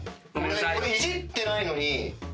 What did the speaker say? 俺いじってないのに。